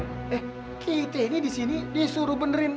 eh kita ini disini disuruh benerin